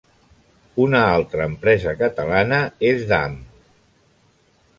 Una altra empresa catalana és Damm.